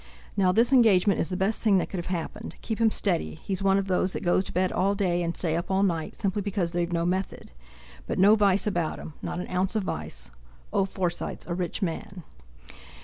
Now this engagement is the best thing that could have happened—keep him steady; he's one of those that go to bed all day and stay up all night, simply because they've no method; but no vice about him—not an ounce of vice. Old Forsyte's a rich man!"